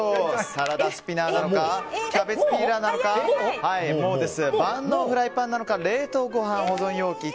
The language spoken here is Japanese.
サラダスピナーなのかキャベツピーラーなのか万能フライパンなのか冷凍ごはん保存容器なのか。